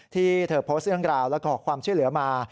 ที่เธอโพสต์เรื่องราวและขอความช่วยเหลือมา